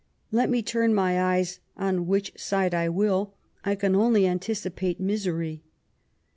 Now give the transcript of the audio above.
Let me turn my eyes on which side I will, I can only anticipate misery.